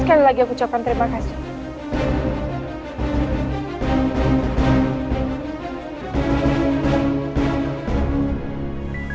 sekali lagi aku ucapkan terima kasih